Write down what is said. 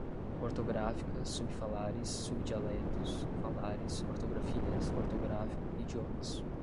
ortográfica, subfalares, subdialetos, falares, ortografias, ortográfico, idiomas